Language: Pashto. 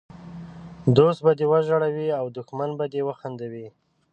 دوست به دې وژړوي او دښمن به دي وخندوي!